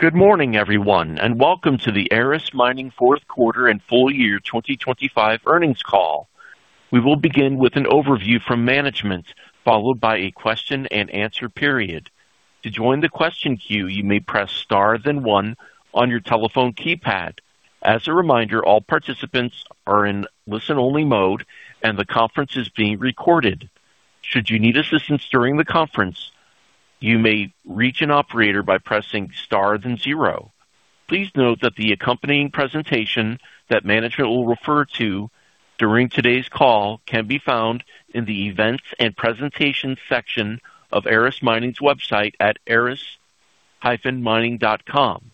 Good morning, everyone, and welcome to the Aris Mining fourth quarter and full year 2025 earnings call. We will begin with an overview from management, followed by a question-and-answer period. To join the question queue, you may press star then one on your telephone keypad. As a reminder, all participants are in listen-only mode and the conference is being recorded. Should you need assistance during the conference, you may reach an operator by pressing star then zero. Please note that the accompanying presentation that management will refer to during today's call can be found in the Events and Presentation section of Aris Mining's website at aris-mining.com.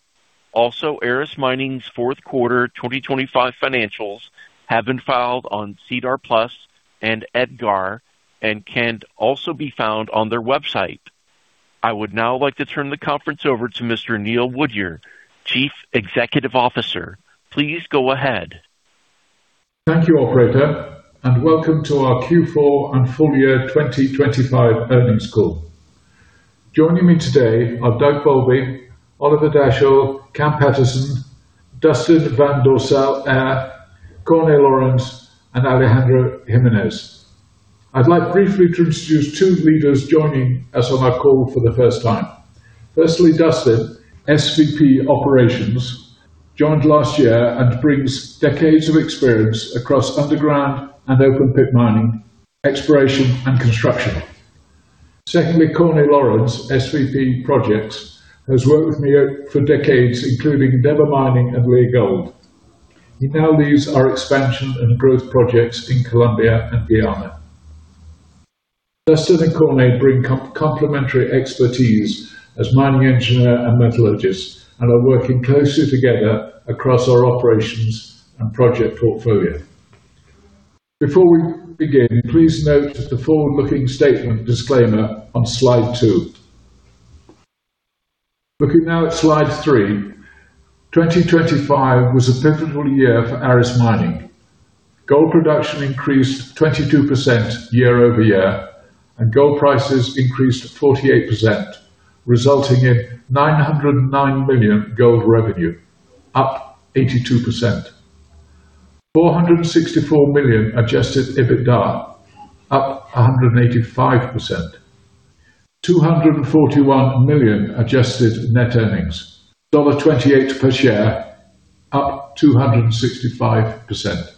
Also, Aris Mining's fourth quarter 2025 financials have been filed on SEDAR+ and EDGAR and can also be found on their website. I would now like to turn the conference over to Mr. Neil Woodyer, Chief Executive Officer. Please go ahead. Thank you, operator, and welcome to our Q4 and full year 2025 earnings call. Joining me today are Doug Bowlby, Oliver Dachsel, Cam Paterson, Dustin VanDoorselaere, Corné Lourens, and Alejandro Jimenez. I'd like briefly to introduce two leaders joining us on our call for the first time. Firstly, Dustin, SVP Operations, joined last year and brings decades of experience across underground and open pit mining, exploration and construction. Secondly, Corné Lourens, SVP Projects, has worked with me for decades, including Denham Capital and Leagold Mining. He now leads our expansion and growth projects in Colombia and Guyana. Dustin and Corné bring complementary expertise as mining engineer and metallurgist and are working closely together across our operations and project portfolio. Before we begin, please note the forward-looking statement disclaimer on slide two. Looking now at slide three. 2025 was a pivotal year for Aris Mining. Gold production increased 22% YoY, and gold prices increased 48%, resulting in $909 million gold revenue, up 82%. $464 million adjusted EBITDA, up 185%. $241 million adjusted net earnings, $28 per share, up 265%.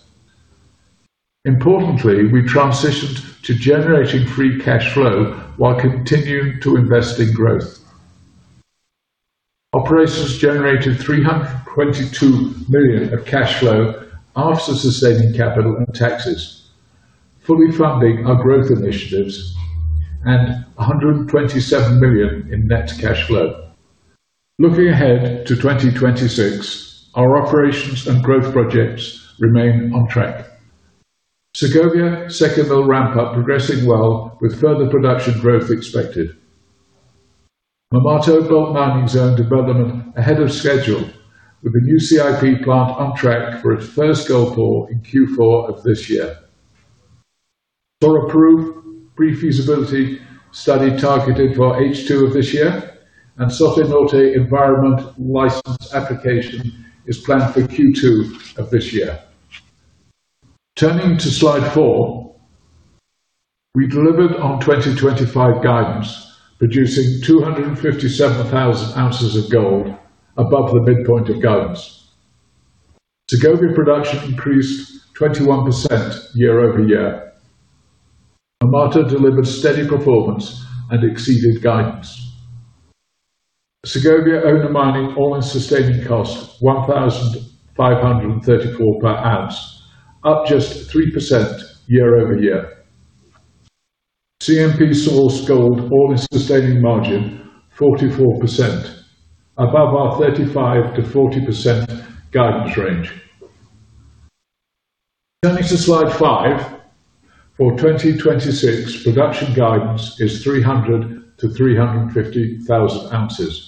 Importantly, we transitioned to generating free cash flow while continuing to invest in growth. Operations generated $322 million of cash flow after sustaining capital and taxes, fully funding our growth initiatives and $127 million in net cash flow. Looking ahead to 2026, our operations and growth projects remain on track. Segovia second-mill ramp up progressing well with further production growth expected. Marmato gold mining zone development ahead of schedule with a new CIP plant on track for its first gold pour in Q4 of this year. For approval, pre-feasibility study targeted for H2 of this year and Soto Norte environmental license application is planned for Q2 of this year. Turning to slide 4. We delivered on 2025 guidance, producing 257,000 ounces of gold above the midpoint of guidance. Segovia production increased 21% YoY. Marmato delivered steady performance and exceeded guidance. Segovia owner mining all-in sustaining cost $1,534 per ounce, up just 3% YoY. CMP source gold all-in sustaining margin 44% above our 35%-40% guidance range. Turning to slide five. For 2026, production guidance is 300,000-350,000 ounces.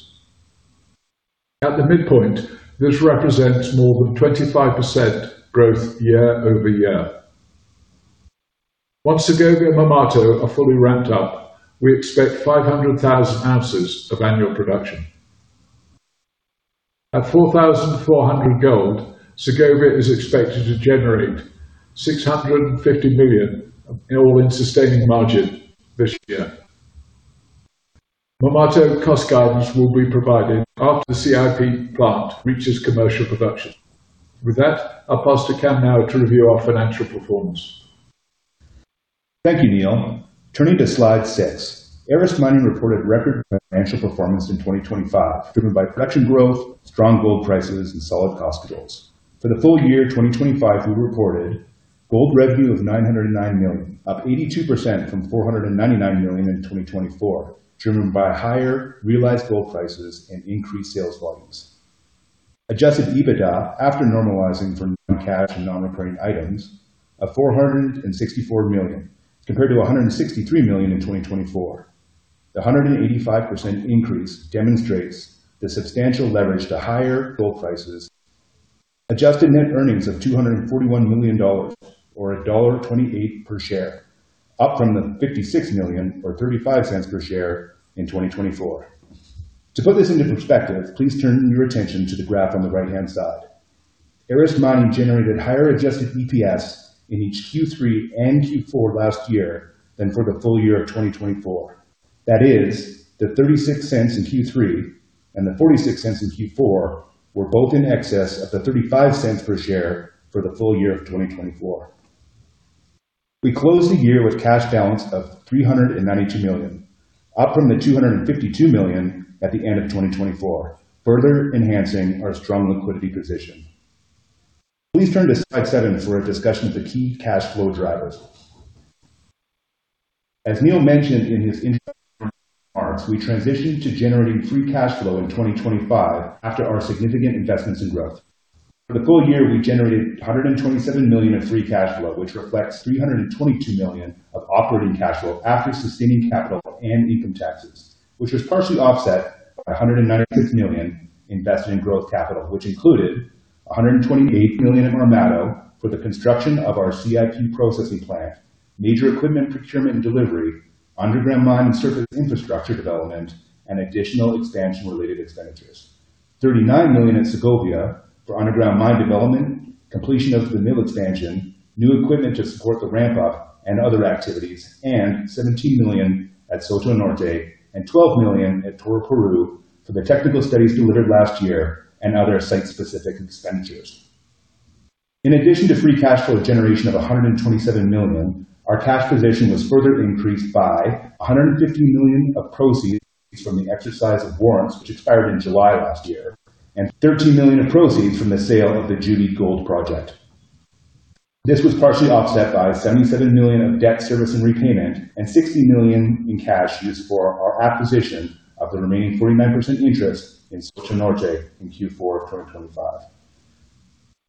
At the midpoint, this represents more than 25% growth YoY. Once Segovia, Marmato are fully ramped up, we expect 500,000 ounces of annual production. At $4,400 gold, Segovia is expected to generate $650 million in all-in sustaining margin this year. Marmato cost guidance will be provided after the CIP plant reaches commercial production. With that, I'll pass to Cam now to review our financial performance. Thank you, Neil. Turning to slide six. Aris Mining reported record financial performance in 2025, driven by production growth, strong gold prices, and solid cost controls. For the full year 2025, we reported gold revenue of $909 million, up 82% from $499 million in 2024, driven by higher realized gold prices and increased sales volumes. Adjusted EBITDA after normalizing for non-cash and non-recurring items of $464 million compared to $163 million in 2024. The 185% increase demonstrates the substantial leverage to higher gold prices. Adjusted net earnings of $241 million or $1.28 per share, up from $56 million or $0.35 per share in 2024. To put this into perspective, please turn your attention to the graph on the right-hand side. Aris Mining generated higher adjusted EPS in each Q3 and Q4 last year than for the full year of 2024. That is, the $0.36 in Q3 and the $0.46 in Q4 were both in excess of the $0.35 per share for the full year of 2024. We closed the year with cash balance of $392 million, up from the $252 million at the end of 2024, further enhancing our strong liquidity position. Please turn to slide seven for a discussion of the key cash flow drivers. As Neil mentioned in his introduction remarks, we transitioned to generating free cash flow in 2025 after our significant investments in growth. For the full year, we generated $127 million of free cash flow, which reflects $322 million of operating cash flow after sustaining capital and income taxes, which was partially offset by $196 million invested in growth capital, which included $128 million at Marmato for the construction of our CIP processing plant, major equipment procurement and delivery, underground mine and surface infrastructure development, and additional expansion related expenditures. $39 million at Segovia for underground mine development, completion of the mill expansion, new equipment to support the ramp up, and other activities, and $17 million at Soto Norte and $12 million at Toroparu for the technical studies delivered last year and other site-specific expenditures. In addition to free cash flow generation of $127 million, our cash position was further increased by $150 million of proceeds from the exercise of warrants, which expired in July last year, and $13 million of proceeds from the sale of the Juby Gold project. This was partially offset by $77 million of debt service and repayment and $60 million in cash used for our acquisition of the remaining 49% interest in Soto Norte in Q4 of 2025.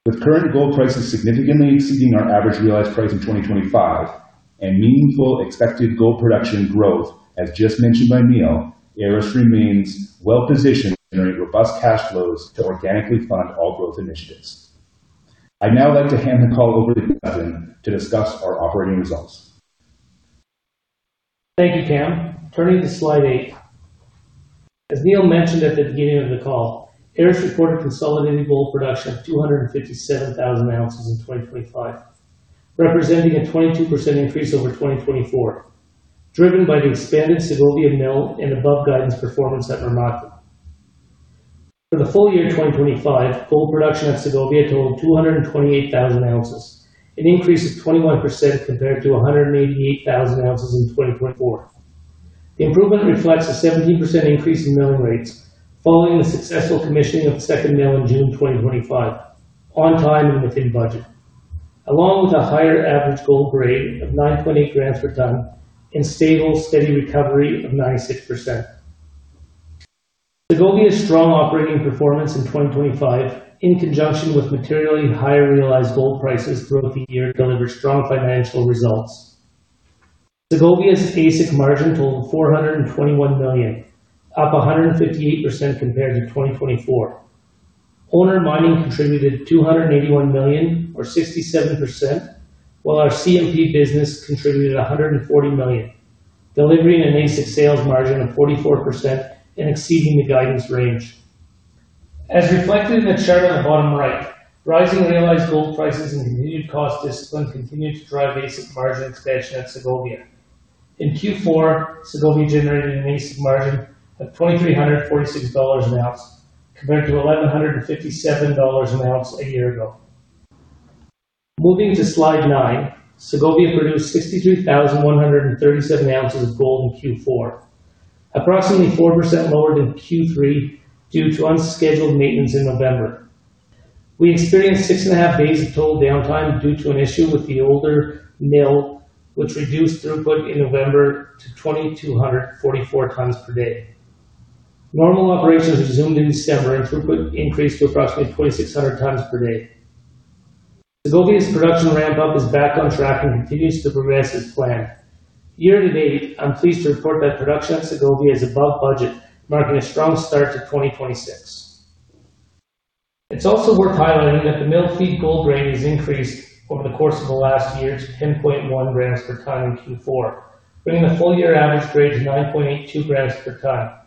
With current gold prices significantly exceeding our average realized price in 2025 and meaningful expected gold production growth, as just mentioned by Neil, Aris remains well-positioned to generate robust cash flows to organically fund all growth initiatives. I'd now like to hand the call over to Dustin to discuss our operating results. Thank you, Cam. Turning to slide eight. As Neil mentioned at the beginning of the call, Aris reported consolidated gold production of 257,000 ounces in 2025, representing a 22% increase over 2024, driven by the expanded Segovia mill and above guidance performance at Marmato. For the full year 2025, gold production at Segovia totaled 228,000 ounces, an increase of 21% compared to 188,000 ounces in 2024. The improvement reflects a 17% increase in milling rates following the successful commissioning of the second mill in June 2025 on time and within budget. Along with a higher average gold grade of 9.8 grams per ton and stable steady recovery of 96%. Segovia's strong operating performance in 2025 in conjunction with materially higher realized gold prices throughout the year delivered strong financial results. Segovia's AISC margin totaled $421 million, up 158% compared to 2024. Owner mining contributed $281 million or 67%, while our CMP business contributed $140 million, delivering an AISC sales margin of 44% and exceeding the guidance range. As reflected in the chart on the bottom right, rising realized gold prices and continued cost discipline continued to drive AISC margin expansion at Segovia. In Q4, Segovia generated an AISC margin of $2,346 an ounce compared to $1,157 an ounce a year ago. Moving to slide nine. Segovia produced 62,137 ounces of gold in Q4, approximately 4% lower than Q3 due to unscheduled maintenance in November. We experienced 6.5 days of total downtime due to an issue with the older mill, which reduced throughput in November to 2,244 tons per day. Normal operations resumed in December, and throughput increased to approximately 2,600 tons per day. Segovia's production ramp up is back on track and continues to progress as planned. Year to date, I'm pleased to report that production at Segovia is above budget, marking a strong start to 2026. It's also worth highlighting that the mill feed gold grade has increased over the course of the last year to 10.1 grams per ton in Q4, bringing the full year average grade to 9.82 grams per ton,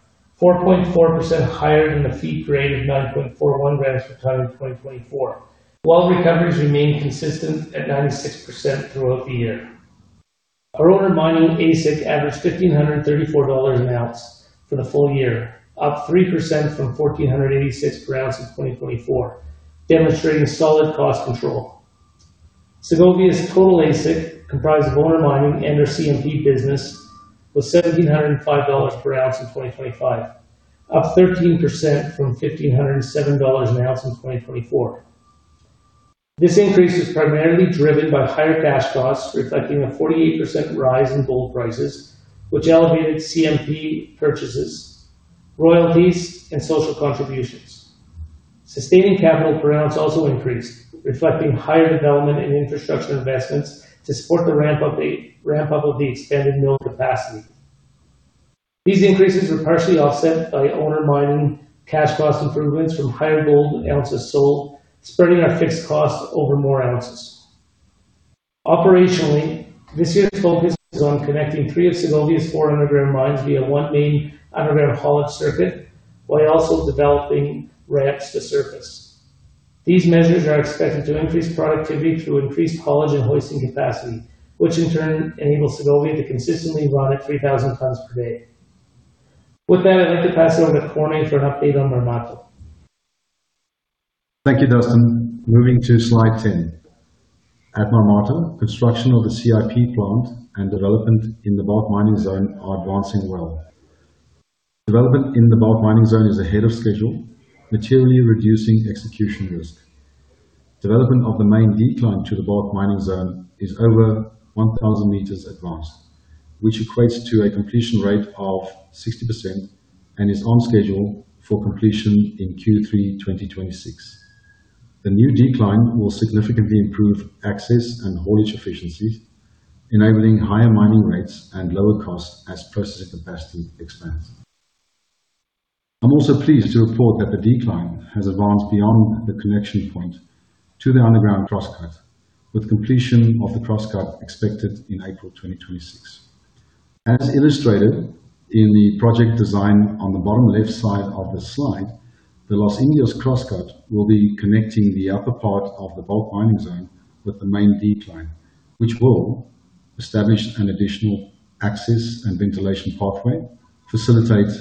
4.4% higher than the feed grade of 9.41 grams per ton in 2024, while recoveries remain consistent at 96% throughout the year. Our owner mining AISC averaged $1,534 per ounce for the full year, up 3% from $1,486 per ounce in 2024, demonstrating solid cost control. Segovia's total AISC, comprised of owner mining and our CMP business, was $1,705 per ounce in 2025, up 13% from $1,507 per ounce in 2024. This increase is primarily driven by higher cash costs, reflecting a 48% rise in gold prices, which elevated CMP purchases, royalties, and social contributions. Sustaining capital per ounce also increased, reflecting higher development and infrastructure investments to support the ramp up of the expanded mill capacity. These increases were partially offset by owner mining cash cost improvements from higher gold ounces sold, spreading our fixed cost over more ounces. Operationally, this year's focus is on connecting three of Segovia's four underground mines via one main underground haulage circuit, while also developing ramps to surface. These measures are expected to increase productivity through increased haulage and hoisting capacity, which in turn enables Segovia to consistently run at 3,000 tons per day. With that, I'd like to pass it over to Corné for an update on Marmato. Thank you, Dustin. Moving to slide 10. At Marmato, construction of the CIP plant and development in the bulk mining zone are advancing well. Development in the bulk mining zone is ahead of schedule, materially reducing execution risk. Development of the main decline to the bulk mining zone is over 1,000 meters advanced, which equates to a completion rate of 60% and is on schedule for completion in Q3 2026. The new decline will significantly improve access and haulage efficiencies, enabling higher mining rates and lower costs as processing capacity expands. I'm also pleased to report that the decline has advanced beyond the connection point to the underground crosscut, with completion of the crosscut expected in April 2026. As illustrated in the project design on the bottom left side of this slide, the Los Indios crosscut will be connecting the upper part of the bulk mining zone with the main decline, which will establish an additional access and ventilation pathway, facilitate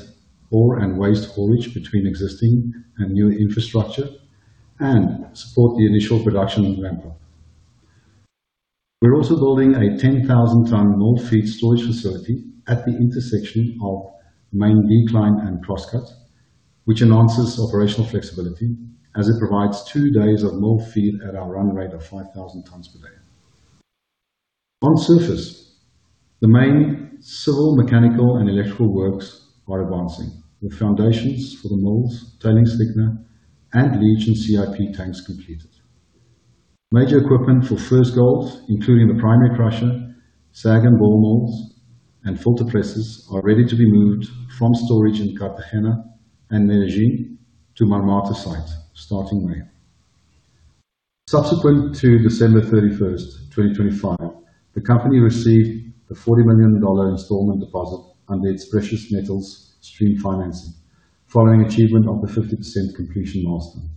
ore and waste haulage between existing and new infrastructure, and support the initial production ramp-up. We're also building a 10,000-ton ore feed storage facility at the intersection of main decline and crosscut, which enhances operational flexibility as it provides two days of ore feed at our run rate of 5,000 tons per day. On surface, the main civil, mechanical, and electrical works are advancing, with foundations for the mills, tailings thickener, and leach and CIP tanks completed. Major equipment for first gold, including the primary crusher, SAG and ball mills, and filter presses, are ready to be moved from storage in Cartagena and Medellín to Marmato site starting May. Subsequent to December 31st, 2025, the company received the $40 million installment deposit under its precious metals stream financing following achievement of the 50% completion milestone.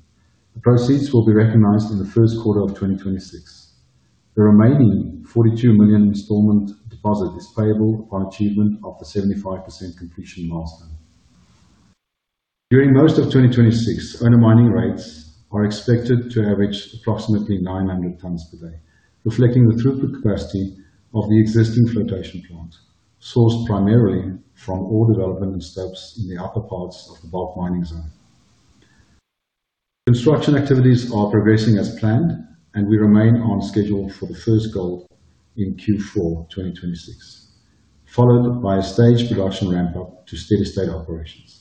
The proceeds will be recognized in the first quarter of 2026. The remaining $42 million installment deposit is payable upon achievement of the 75% completion milestone. During most of 2026, owner mining rates are expected to average approximately 900 tons per day, reflecting the throughput capacity of the existing flotation plant, sourced primarily from ore development steps in the upper parts of the bulk mining zone. Construction activities are progressing as planned, and we remain on schedule for the first gold in Q4 2026, followed by a staged production ramp-up to steady state operations.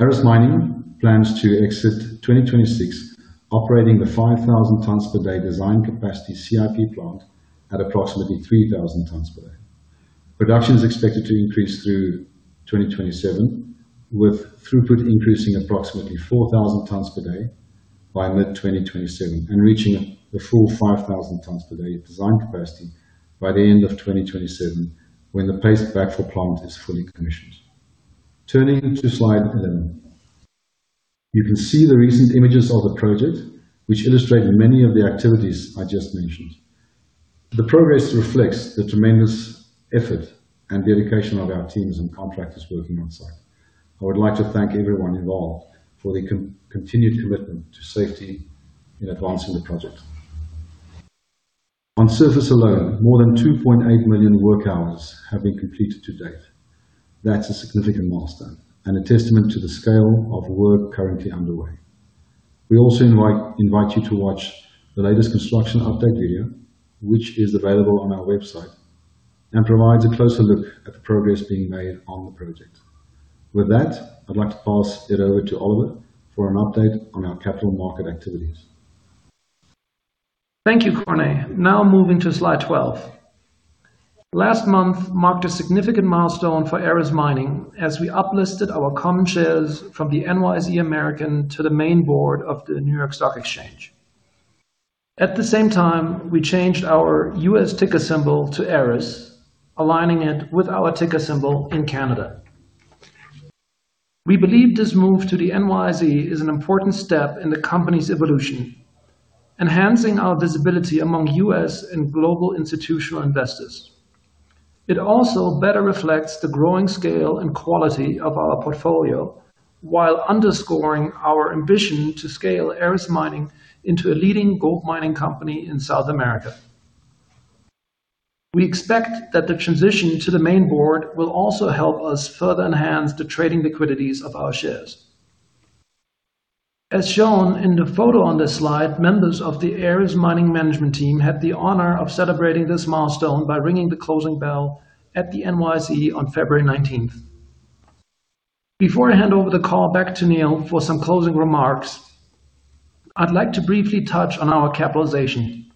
Aris Mining plans to exit 2026 operating the 5,000 tons per day design capacity CIP plant at approximately 3,000 tons per day. Production is expected to increase through 2027, with throughput increasing approximately 4,000 tons per day by mid-2027 and reaching the full 5,000 tons per day design capacity by the end of 2027 when the paste backfill plant is fully commissioned. Turning to slide 11. You can see the recent images of the project, which illustrate many of the activities I just mentioned. The progress reflects the tremendous effort and dedication of our teams and contractors working on-site. I would like to thank everyone involved for their continued commitment to safety in advancing the project. On surface alone, more than 2.8 million work hours have been completed to date. That's a significant milestone and a testament to the scale of work currently underway. We also invite you to watch the latest construction update video, which is available on our website and provides a closer look at the progress being made on the project. With that, I'd like to pass it over to Oliver for an update on our capital market activities. Thank you, Corné. Now moving to slide 12. Last month marked a significant milestone for Aris Mining as we uplisted our common shares from the NYSE American to the main board of the New York Stock Exchange. At the same time, we changed our U.S. ticker symbol to ARIS, aligning it with our ticker symbol in Canada. We believe this move to the NYSE is an important step in the company's evolution, enhancing our visibility among U.S. and global institutional investors. It also better reflects the growing scale and quality of our portfolio, while underscoring our ambition to scale Aris Mining into a leading gold mining company in South America. We expect that the transition to the main board will also help us further enhance the trading liquidities of our shares. As shown in the photo on this slide, members of the Aris Mining management team had the honor of celebrating this milestone by ringing the closing bell at the NYSE on February 19th. Before I hand over the call back to Neil for some closing remarks, I'd like to briefly touch on our capitalization.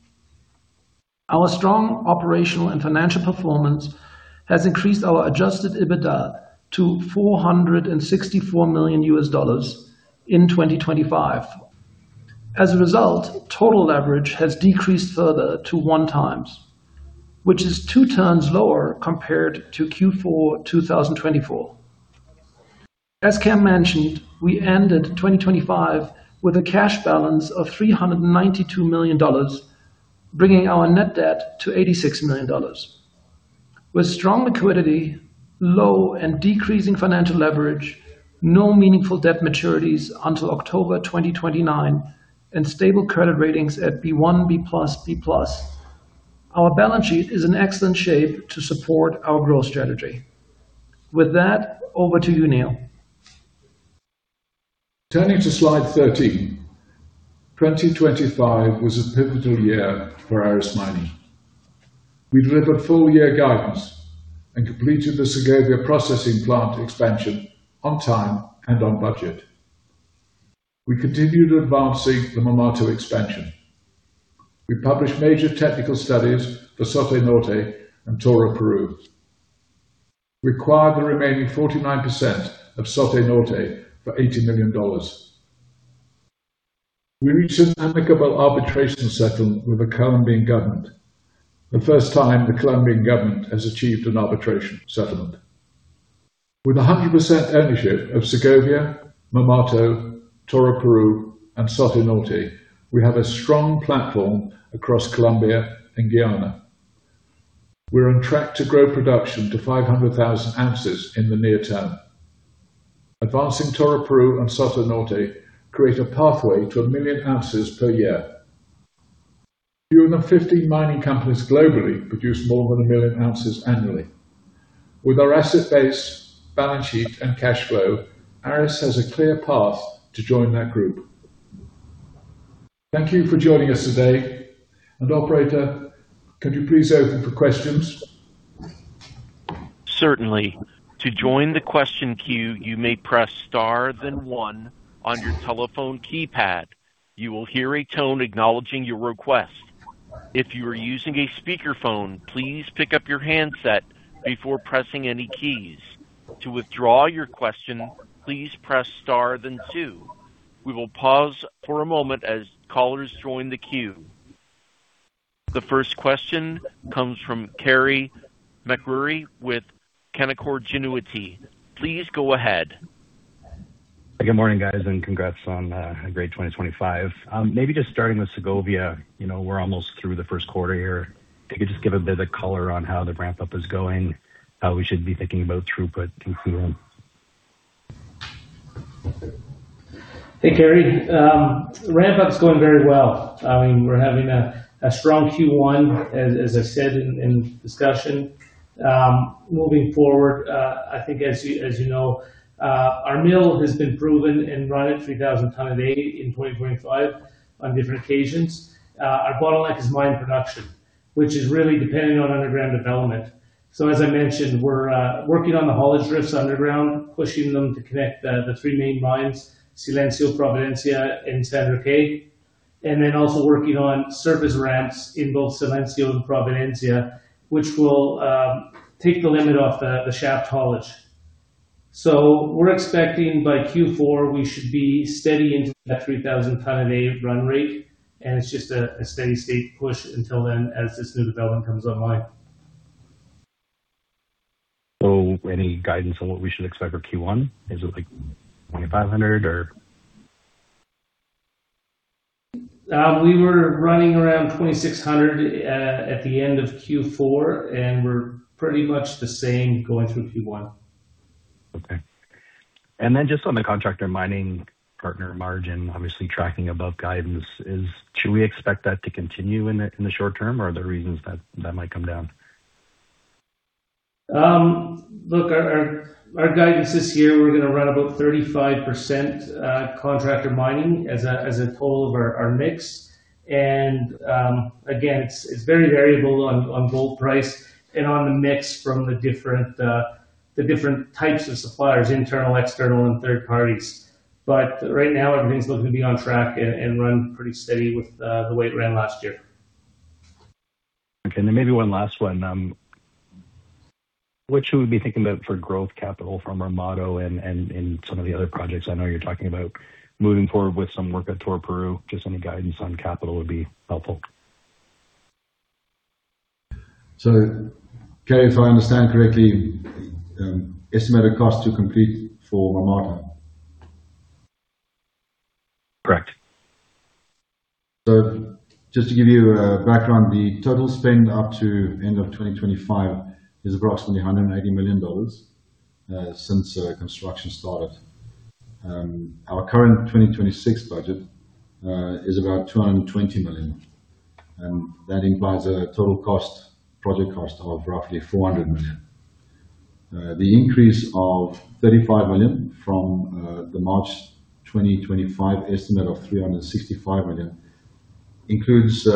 Our strong operational and financial performance has increased our adjusted EBITDA to $464 million in 2025. As a result, total leverage has decreased further to 1x, which is 2x lower compared to Q4 2024. As Cam mentioned, we ended 2025 with a cash balance of $392 million, bringing our net debt to $86 million. With strong liquidity, low and decreasing financial leverage, no meaningful debt maturities until October 2029, and stable credit ratings at B1/B+/C+. Our balance sheet is in excellent shape to support our growth strategy. With that, over to you, Neil. Turning to slide 13. 2025 was a pivotal year for Aris Mining. We delivered full-year guidance and completed the Segovia processing plant expansion on time and on budget. We continued advancing the Marmato expansion. We published major technical studies for Soto Norte and Toroparu. We acquired the remaining 49% of Soto Norte for $80 million. We reached an amicable arbitration settlement with the Colombian government. The first time the Colombian government has achieved an arbitration settlement. With 100% ownership of Segovia, Marmato, Toroparu, and Soto Norte, we have a strong platform across Colombia and Guyana. We're on track to grow production to 500,000 ounces in the near term. Advancing Toroparu and Soto Norte create a pathway to one million ounces per year. Fewer than 15 mining companies globally produce more than one million ounces annually. With our asset base, balance sheet, and cash flow, Aris has a clear path to join that group. Thank you for joining us today. Operator, could you please open for questions? Certainly. To join the question queue, you may press star then one on your telephone keypad. You will hear a tone acknowledging your request. If you are using a speakerphone, please pick up your handset before pressing any keys. To withdraw your question, please press star then two. We will pause for a moment as callers join the queue. The first question comes from Carey MacRury with Canaccord Genuity. Please go ahead. Good morning, guys, and congrats on a great 2025. Maybe just starting with Segovia. You know, we're almost through the first quarter here. If you could just give a bit of color on how the ramp-up is going, how we should be thinking about throughput and through them. Hey, Carey. The ramp-up's going very well. I mean, we're having a strong Q1, as I said in discussion. Moving forward, I think as you know, our mill has been proven and running 3,000 tons a day in 2025 on different occasions. Our bottleneck is mine production, which is really dependent on underground development. As I mentioned, we're working on the haulage drifts underground, pushing them to connect the three main mines, Silencio, Providencia, and San Roque. Then also working on surface ramps in both Silencio and Providencia, which will take the limit off the shaft haulage. We're expecting by Q4, we should be steady into that 3,000 tons a day run rate, and it's just a steady-state push until then, as this new development comes online. Any guidance on what we should expect for Q1? Is it like 2,500 or? We were running around 2,600 at the end of Q4, and we're pretty much the same going through Q1. Okay. Just on the contractor mining partner margin, obviously tracking above guidance. Should we expect that to continue in the short term or are there reasons that might come down? Look, our guidance this year, we're gonna run about 35% contractor mining as a total of our mix. Again, it's very variable on gold price and on the mix from the different types of suppliers, internal, external, and third parties. Right now everything's looking to be on track and run pretty steady with the way it ran last year. Okay. Maybe one last one, what should we be thinking about for growth capital from Marmato and some of the other projects? I know you're talking about moving forward with some work at Toroparu. Just any guidance on capital would be helpful. Carey, if I understand correctly, estimated cost to complete for Marmato? Correct. Just to give you a background, the total spend up to end of 2025 is approximately $180 million since construction started. Our current 2026 budget is about $220 million. That implies a total cost, project cost of roughly $400 million. The increase of $35 million from the March 2025 estimate of $365 million includes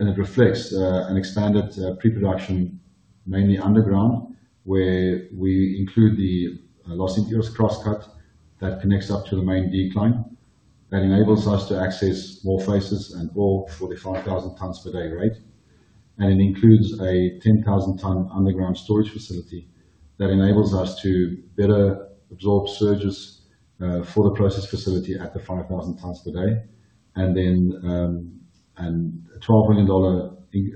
and it reflects an expanded pre-production. Mainly underground, where we include the Los Indios crosscut that connects up to the main decline. That enables us to access more faces and ore for the 5,000 tons per day rate. It includes a 10,000-ton underground storage facility that enables us to better absorb surges for the processing facility at the 5,000 tons per day.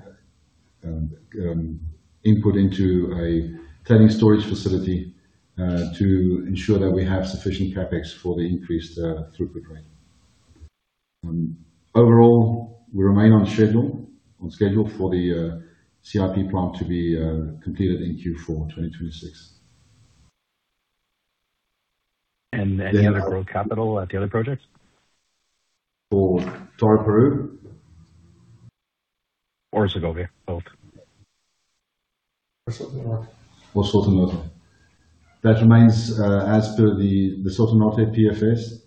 $12 million input into a tailings storage facility to ensure that we have sufficient CapEx for the increased throughput rate. Overall, we remain on schedule for the CIP plant to be completed in Q4 2026. Any other growth capital at the other projects? For Toroparu? or Segovia, both. or Soto Norte. That remains as per the Soto Norte PFS.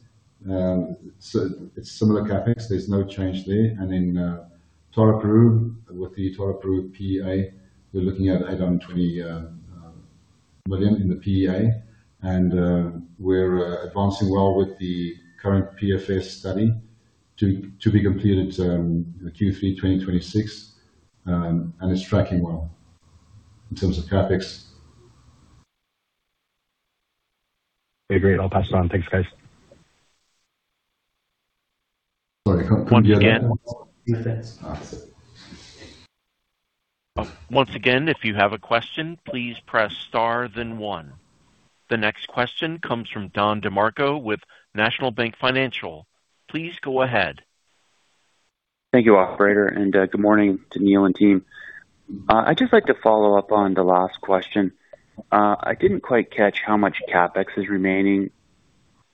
It's similar CapEx. There's no change there. Toroparu, with the Toroparu PEA, we're looking at add on $20 million in the PEA. We're advancing well with the current PFS study to be completed in Q3 2026. It's tracking well in terms of CapEx. Okay, great. I'll pass it on. Thanks, guys. Sorry. Once again, if you have a question, please press star then one. The next question comes from Don DeMarco with National Bank Financial. Please go ahead. Thank you, operator. Good morning to Neil and team. I'd just like to follow up on the last question. I didn't quite catch how much CapEx is remaining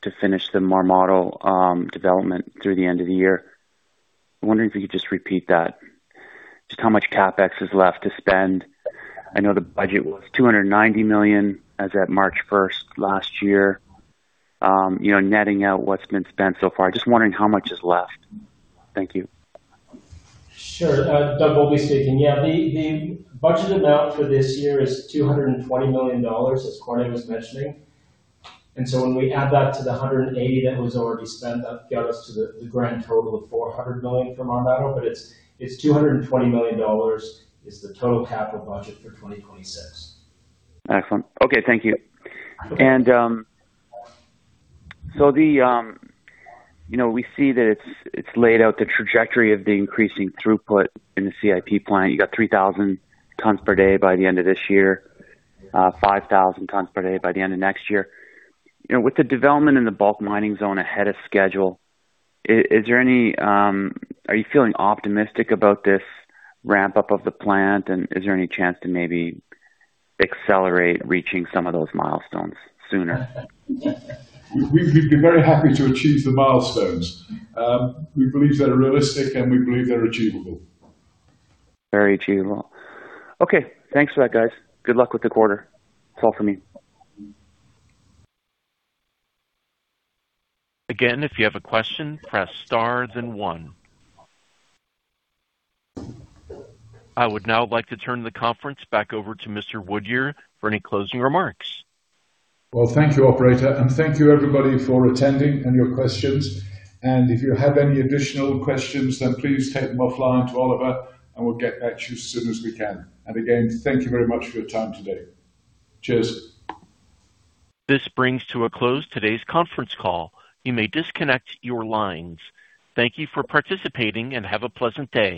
to finish the Marmato development through the end of the year. I'm wondering if you could just repeat that. Just how much CapEx is left to spend. I know the budget was $290 million as at March first last year. You know, netting out what's been spent so far. Just wondering how much is left. Thank you. Sure. Doug, we'll be speaking. Yeah, the budget amount for this year is $220 million, as Corné was mentioning. When we add that to the $180 that was already spent, that got us to the grand total of $400 million for Marmato. $220 million is the total capital budget for 2026. Excellent. Okay, thank you. You know, we see that it's laid out the trajectory of the increasing throughput in the CIP plant. You got 3,000 tons per day by the end of this year, 5,000 tons per day by the end of next year. You know, with the development in the bulk mining zone ahead of schedule, is there any, are you feeling optimistic about this ramp up of the plant? Is there any chance to maybe accelerate reaching some of those milestones sooner? We'd be very happy to achieve the milestones. We believe they're realistic, and we believe they're achievable. Very achievable. Okay, thanks for that, guys. Good luck with the quarter. That's all for me. Again, if you have a question, press star then one. I would now like to turn the conference back over to Mr. Woodyer for any closing remarks. Well, thank you, operator, and thank you everybody for attending and your questions. If you have any additional questions, then please take them offline to Oliver, and we'll get back to you as soon as we can. Again, thank you very much for your time today. Cheers. This brings to a close today's conference call. You may disconnect your lines. Thank you for participating, and have a pleasant day.